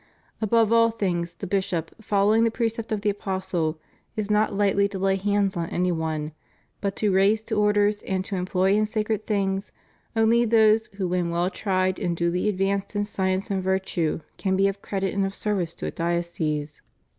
Above all things the bishop, following the precept of the Apostle, is not lightly to lay hands on any one ; but to raise to Or ders and to employ in sacred things only those who when well tried and duly advanced in science and virtue can be of credit and of service to a diocese.